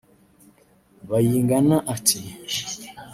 Bayingana ati